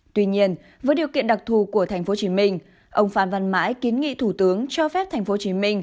tuy nhiên với điều kiện đặc thù của tp hcm ông phan văn mãi kiến nghị thủ tướng cho phép tp hcm